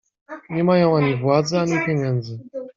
"Nie mają ani władzy, ani pieniędzy."